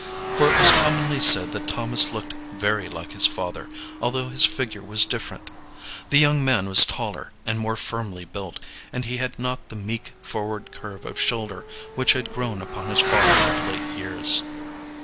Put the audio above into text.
For it was commonly said that Thomas looked very like his father, although his figure was different. The young man was taller and more firmly built, and he had not the meek forward curve of shoulder which had grown upon his father of late years.